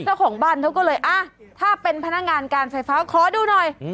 เจ้าของบ้านเขาก็เลยอ่ะถ้าเป็นพนักงานการไฟฟ้าขอดูหน่อย